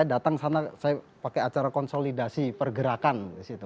datang sana saya pakai acara konsolidasi pergerakan